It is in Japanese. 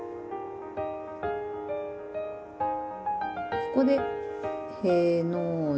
ここで「への字」。